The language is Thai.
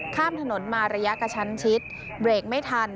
ข้ามถนนมาระยะกระชั้นชิดเบรกไม่ทัน